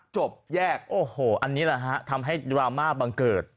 จบแยกโอ้โหอันนี้แหละฮะทำให้ดราม่าบังเกิด